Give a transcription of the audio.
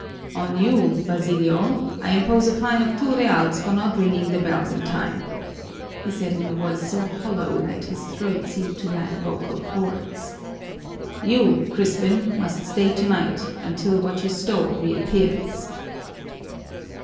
"On you, Basilio, I impose a fine of two reals for not ringing the bells in time," he said in a voice so hollow that his throat seemed to lack vocal chords. "You, Crispin, must stay tonight, until what you stole reappears."